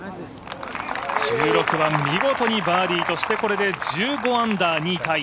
１６番、見事にバーディーとして１５アンダー２位タイ。